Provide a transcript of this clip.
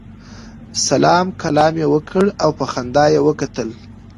سلام کلام یې وکړ او په خندا یې وکتل.